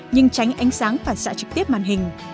nhưng tránh ánh sáng phản xạ trực tiếp màn hình